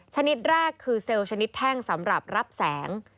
ชนิดแรกคือเซลล์ชนิดแท่งสำหรับรับแสง